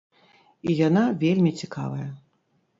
І яна вельмі цікавая.